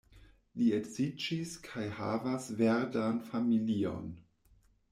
Li edziĝis kaj havas verdan familion.